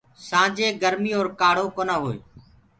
سآنجي گرمي اور کآڙهو ڪونآ هوئي۔